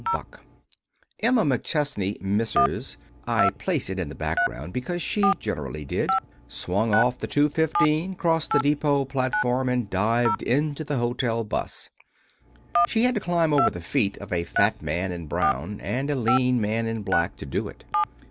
BUCK Emma McChesney, Mrs. (I place it in the background because she generally did) swung off the 2:15, crossed the depot platform, and dived into the hotel 'bus. She had to climb over the feet of a fat man in brown and a lean man in black, to do it.